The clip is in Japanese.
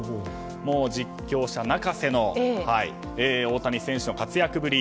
実況者泣かせの大谷選手の活躍ぶり。